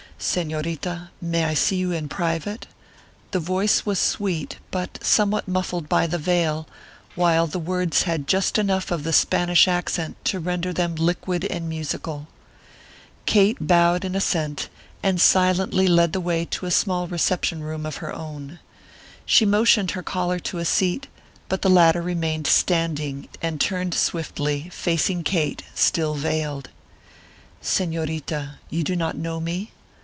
"Señorita, may I see you in private?" The voice was sweet, but somewhat muffled by the veil, while the words had just enough of the Spanish accent to render them liquid and musical. Kate bowed in assent, and silently led the way to a small reception room of her own. She motioned her caller to a seat, but the latter remained standing and turned swiftly, facing Kate, still veiled. "Señorita, you do not know me?"